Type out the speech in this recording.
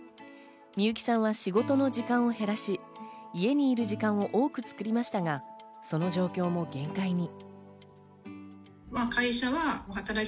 美由紀さんは仕事の時間を減らし、家にいる時間を多く作りましたが、その状況も限界に。